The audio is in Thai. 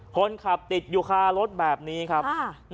คนขับติดอยู่คารถแบบนี้ครับ